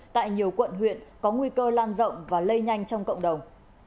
tại nhiều quận huyện có nguy cơ lan rộng và lây nhanh trong cộng đồng